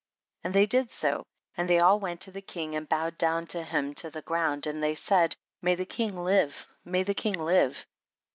8. And they did so, and they all went to the king and bowed down to him to the ground, and they said, may the king live, may the king live.